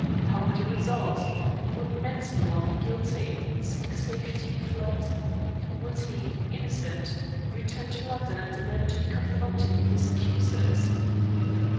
How would it result? Would Mensmore, guilty, seek safety in flight? Would he, innocent, return to London and demand to be confronted with his accusers?